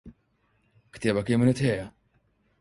کتێبەکەی منت هەیە؟